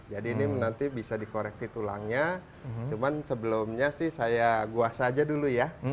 jadi ini nanti bisa dikoreksi tulangnya cuman sebelumnya sih saya guas saja dulu ya